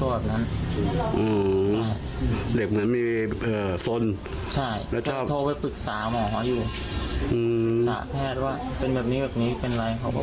ผมหลักอยู่แต่พอได้ยินเสียง